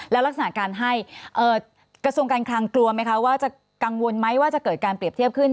แล้วลักษณะการให้กระทรวงการคลังกลัวไหมคะว่าจะกังวลไหมว่าจะเกิดการเปรียบเทียบขึ้น